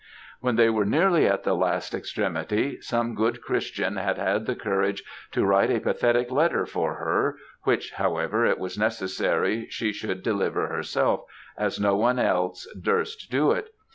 "When they were nearly at the last extremity, some good Christian had had the courage to write a pathetic letter for her, which, however, it was necessary she should deliver herself, as no one else durst do it.